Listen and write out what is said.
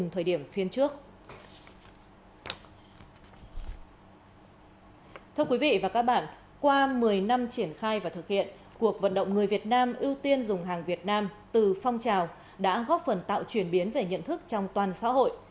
thưa quý vị và các bạn qua một mươi năm triển khai và thực hiện cuộc vận động người việt nam ưu tiên dùng hàng việt nam từ phong trào đã góp phần tạo chuyển biến về nhận thức trong toàn xã hội